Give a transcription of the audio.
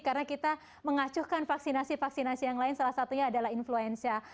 karena kita mengacuhkan vaksinasi vaksinasi yang lain salah satunya adalah influenza